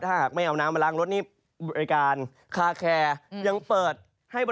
๔บาทเอาเลยทีเดียวนะครับ